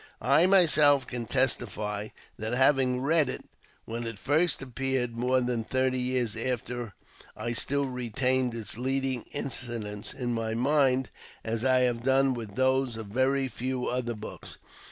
I myself can testify that, having read it when it first appeared, more than thirty years after I still retained its leading incidents in my mind as I have done with those of very few other books.